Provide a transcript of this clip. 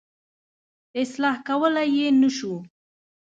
اصلاح کولای یې نه شو.